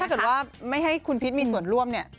ถ้าเกิดว่าไม่ให้คุณพิษมีส่วนร่วมเนี่ย